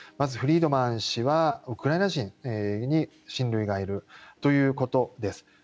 フリードマン氏はウクライナ人に親類がいるということです。